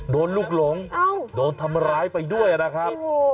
โดนลูกหลงโดนทำร้ายไปด้วยนะครับ